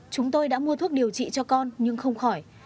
chúng tôi đã mua thuốc điều trị cho con nhưng không khỏi